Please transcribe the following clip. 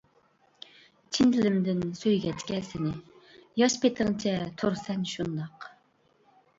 چىن دىلىمدىن سۆيگەچكە سېنى، ياش پېتىڭچە تۇرىسەن شۇنداق!